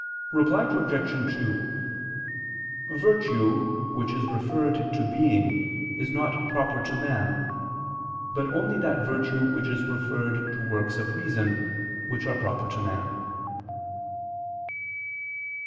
Reply Obj. 2: Virtue which is referred to being is not proper to man; but only that virtue which is referred to works of reason, which are proper to man.